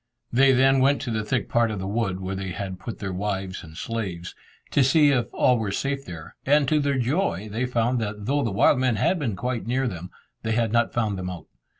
They then went to the thick part of the wood, where they had put their wives and slaves, to see if all were safe there, and to their joy they found that though the wild men had been quite near them, they had not found them out.